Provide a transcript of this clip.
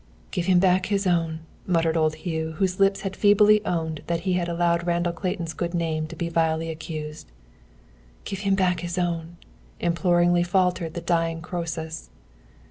"Give him back his own," muttered old Hugh, whose lips had feebly owned that he had allowed Randall Clayton's good name to be vilely accused. "Give him his own!" imploringly faltered the dying Croesus.